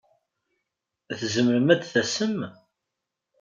Tzemrem ad d-tasem?